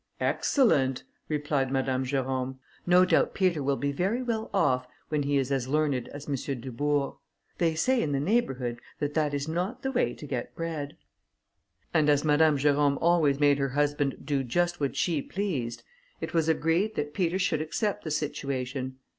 "Excellent!" replied Madame Jerôme; "no doubt Peter will be very well off when he is as learned as M. Dubourg. They say in the neighbourhood, that that is not the way to get bread." And as Madame Jerôme always made her husband do just what she pleased, it was agreed that Peter should accept the situation.